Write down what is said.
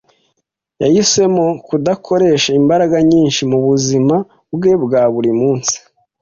Yahisemo kudakoresha imbaraga nyinshi mubuzima bwe bwa buri munsi.